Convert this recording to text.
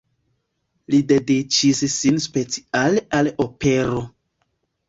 Li dediĉis sin speciale al opero.